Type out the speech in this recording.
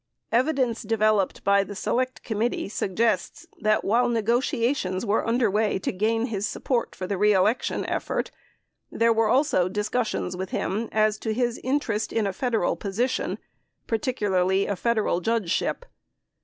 Evidence developed by the Select Committee suggests that, while negotiations were underway to gain his support for the reelection effort, there were also discussions with him as to his interest in a Federal position, particularly a Federal judgeship.